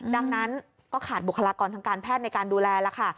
ดังนั้นก็ขาดบุคลากรทางการแพทย์ในการดูแลแล้วค่ะ